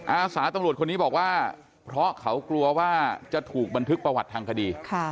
อาสาตำรวจคนนี้บอกว่าเพราะเขากลัวว่าจะถูกบันทึกประวัติทางคดี